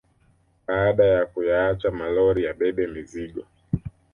Badala ya kuyaacha malori yabebe mizigo